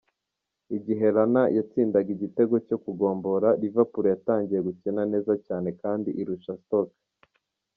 Igihe Lallana yatsindaga igitego cyo kugombora, Liverpool yatangiye gukina neza cyane kandi irusha Stoke.